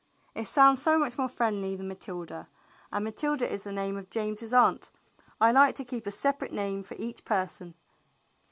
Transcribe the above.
"It sounds so much more friendly than Matilda, and Matilda is the name of James's aunt. I like to keep a separate name for each person."